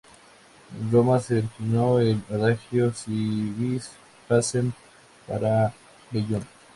En Roma se originó el adagio "Si vis pacem, para bellum".